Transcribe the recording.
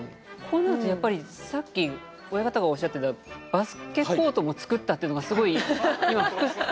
こうなるとやっぱりさっき親方がおっしゃってたバスケコートも作ったってのがすごい。